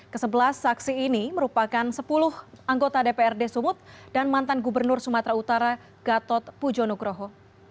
kesebelas saksi ini merupakan sepuluh anggota dprd sumut dan mantan gubernur sumatera utara gatot pujo nugroho